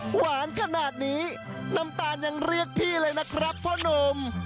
หวานขนาดนี้น้ำตาลยังเรียกพี่เลยนะครับพ่อนุ่ม